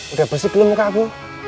udah bersih belum muka aku